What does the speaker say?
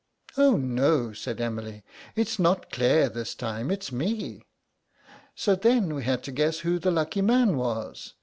'Oh, no,' said Emily, 'it's not Claire this time, it's me.' So then we had to guess who the lucky man was.